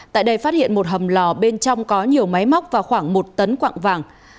tại đây phát hiện một hầm lò bên trong có nhiều máy móc và khoảng một tấn quạng vàng